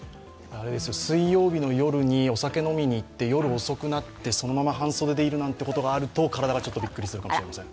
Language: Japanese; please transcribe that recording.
水曜日の夜にお酒を飲みにいって、夜遅くなって、そのまま半袖でいるなんていうことがあると体がちょっとびっくりするかもしれません。